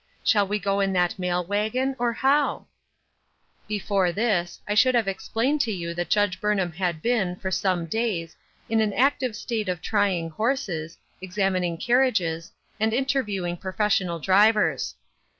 Shall we go in that mail wagon, or how ?'* Before this, I should have explained to you that Judge Burnham had been, for some days, in an active state of trying horses, examining carriages, and interviewing professional drivers.